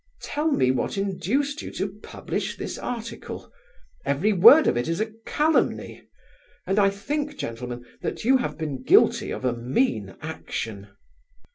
Tell me what induced you to publish this article. Every word of it is a calumny, and I think, gentlemen, that you have been guilty of a mean action."